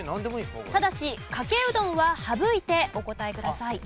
ただしかけうどんは省いてお答えください。